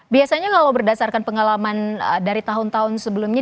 biasanya kalau berdasarkan pengalaman dari tahun tahun sebelumnya